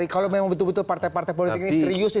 kalau memang betul betul partai partai politik ini serius